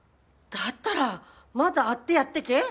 だったらまた会ってやってけ。